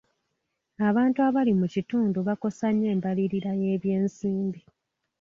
Abantu abali mu kitundu bakosa nnyo embalirira y'ebyensimbi.